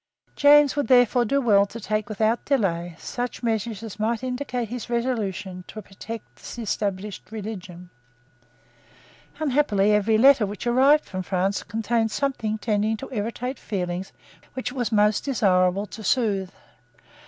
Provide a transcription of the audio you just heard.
James would therefore do well to take without delay such measures as might indicate his resolution to protect the established religion. Unhappily every letter which arrived from France contained something tending to irritate feelings which it was most desirable to soothe.